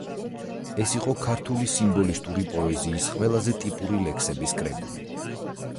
ეს იყო ქართული სიმბოლისტური პოეზიის ყველაზე ტიპური ლექსების კრებული.